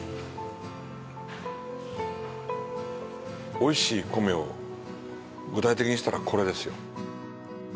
おいしい米を具体的にしたらこれですよ。